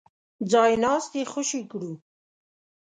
ځای ناستي خوشي کړو.